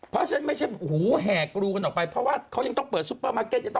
เพราะฉะนั้นไม่ใช่แห่กรูกันออกไปเพราะว่าเขายังต้องเปิดซุปเปอร์มาร์เก็ต